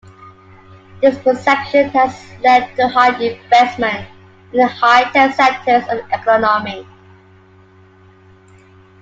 This perception has led to high investment in high-tech sectors of the economy.